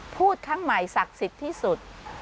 พูดครั้งใหม่ศักดิ์สิทธิ์ที่สุด